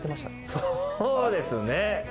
そうですね。